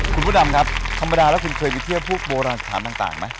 คุณผู้ดำครับธรรมดาแล้วคุณเคยไปเที่ยวพวกโบราณสถานต่างไหม